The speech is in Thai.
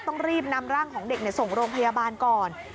ต้องรีบนำร่างของเด็กส่งโรงพยาบาลก่อน